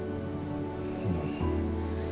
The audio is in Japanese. うん。